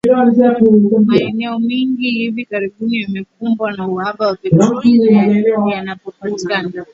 Maeneo mengi hivi karibuni yamekumbwa na uhaba wa petroli na yanapopatikana